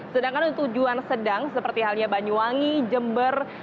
sedangkan untuk tujuan sedang seperti halnya banyuwangi jember